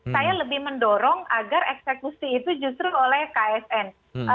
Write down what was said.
saya lebih mendorong agar eksekusi itu justru oleh ksn